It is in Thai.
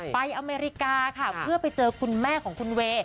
อเมริกาค่ะเพื่อไปเจอคุณแม่ของคุณเวย์